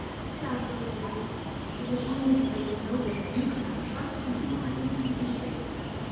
"" Did I hurt you? It was only because I know that you cannot trust me while I remain a mystery.